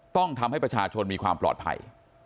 ต้องทำให้ประชาชนมีความปลอดภัย